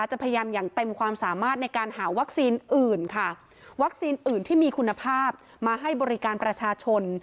จะพยายามอย่างเต็มความสามารถในการหาวัคซีนอื่นค่ะวัคซีนอื่นที่มีคุณภาพมาให้บริการประชาชน